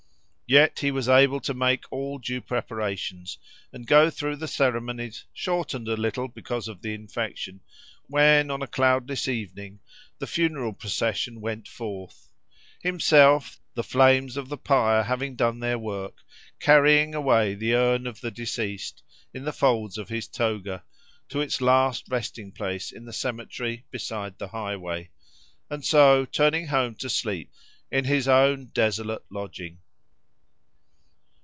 Yet he was able to make all due preparations, and go through the ceremonies, shortened a little because of the infection, when, on a cloudless evening, the funeral procession went forth; himself, the flames of the pyre having done their work, carrying away the urn of the deceased, in the folds of his toga, to its last resting place in the cemetery beside the highway, and so turning home to sleep in his own desolate lodging.